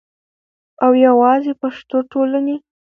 او یواځی پښتو ټولنې